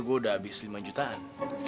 gue udah habis lima jutaan